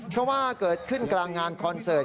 เพราะว่าเกิดขึ้นกลางงานคอนเสิร์ต